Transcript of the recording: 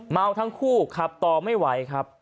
เมาทั้งคู่ขับต่อไม่ไหวครับ